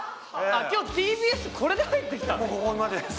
今日、ＴＢＳこれで入ったの？